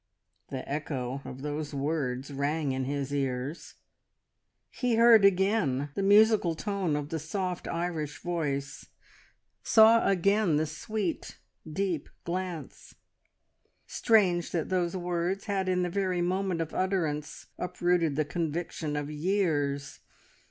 The echo of those words rang in his ears; he heard again the musical tone of the soft Irish voice, saw again the sweet, deep glance. Strange that those words had in the very moment of utterance uprooted the conviction of years!